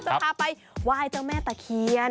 จะพาไปไหว้เจ้าแม่ตะเคียน